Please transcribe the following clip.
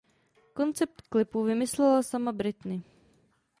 Koncept klipu vymyslela sama Britney.